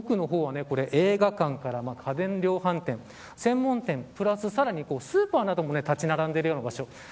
奥の方は映画館から家電量販店専門店、プラスさらにスーパーなども立ち並んでいるような場所。